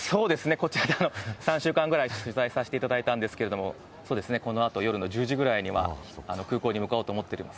こちらで３週間ぐらい取材させていただいたんですけど、そうですね、このあと夜の１０時ぐらいに空港に向かおうと思ってるんです。